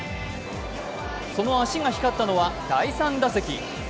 その足が光ったのは、第３打席。